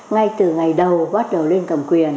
ngay từ ngày đầu bắt đầu lên cầm quyền